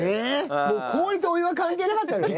もう氷とお湯は関係なかったのね。